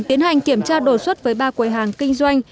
tiến hành kiểm tra đột xuất với ba quầy hàng kinh doanh